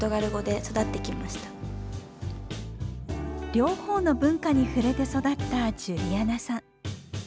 両方の文化に触れて育ったジュリアナさん。